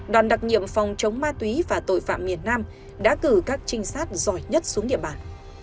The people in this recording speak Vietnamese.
đoàn đặc nhiệm phòng chống ma túy và tội phạm miền nam đã cử các trinh sát giỏi nhất xuống địa bàn